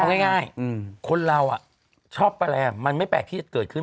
เอาง่ายคนเราชอบแลมมันไม่แปลกที่จะเกิดขึ้น